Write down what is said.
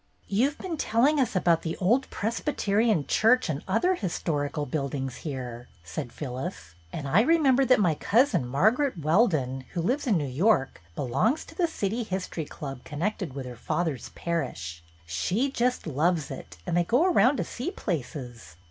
"You've been telling us about the old Pres byterian Church and other historical buildings here," said Phyllis, "and I remember that my cousin, Margaret Weldon, who lives in New York, belongs to the City History Club con nected with her father's parish. She just loves it, and they go around to see places.